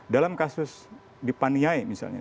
dalam kasus di paniai misalnya